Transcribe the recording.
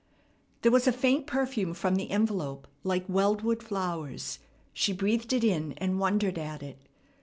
There was a faint perfume from the envelope like Weldwood flowers. She breathed it in, and wondered at it.